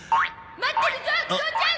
待ってるゾ父ちゃん！